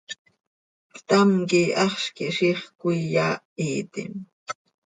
Ctam quih haxz quih ziix cöiyaahitim.